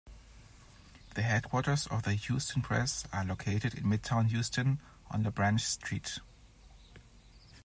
The headquarters of the "Houston Press" are located in Midtown Houston on LaBranch Street.